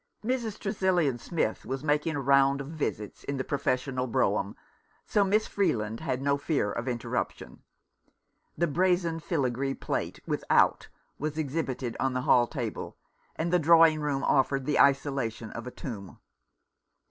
Mrs. Tresillian Smith was making a round of visits in the professional brougham, so Miss Freeland had no fear of interruption. The brazen filigree plate with "Out" was exhibited on the hall table, and the drawing room offered the isolation of a tomb.